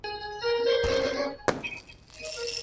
Ana maarifa mengi.